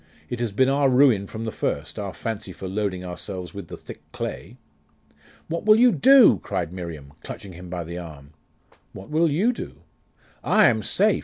It has been our ruin from the first, our fancy for loading ourselves with the thick clay.' 'What will you do?' cried Miriam, clutching him by the arm. 'What will you do?' 'I am safe.